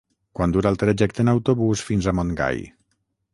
Quant dura el trajecte en autobús fins a Montgai?